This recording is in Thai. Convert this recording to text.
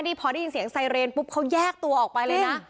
นี่พอได้ยินเสียงไซเรนปุ๊บเขาแยกตัวออกไปเลยนะ